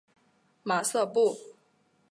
马瑟布。